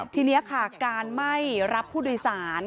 ทีนี้ค่ะการไม่รับผู้โดยสาร